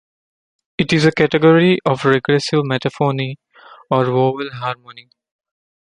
It is a category of regressive metaphony, or vowel harmony.